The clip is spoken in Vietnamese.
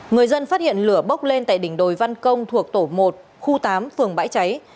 người dân phát hiện lửa bốc lên tại đỉnh đồi văn công thuộc tổ một khu tám phường bãi cháy